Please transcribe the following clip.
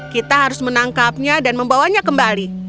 kita harus menangkapnya dan membawanya kembali